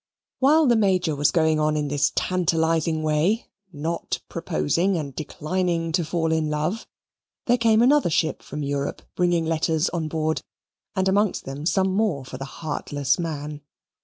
While the Major was going on in this tantalizing way, not proposing, and declining to fall in love, there came another ship from Europe bringing letters on board, and amongst them some more for the heartless man.